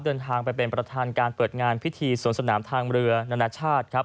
เดินทางไปเป็นประธานการเปิดงานพิธีสวนสนามทางเรือนานาชาติครับ